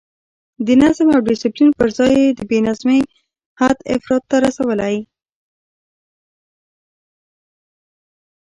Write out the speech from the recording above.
د نظم او ډسپلین پر ځای یې د بې نظمۍ حد افراط ته رسولی.